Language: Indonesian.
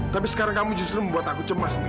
tapi sekarang kamu justru membuat aku cemas nih